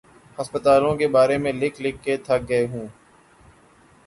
ہسپتالوں کے بارے میں لکھ لکھ کے تھک گئے ہوں۔